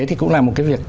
thì cũng là một cái việc